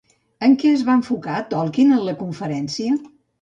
En què es va enfocar Tolkien en la conferència?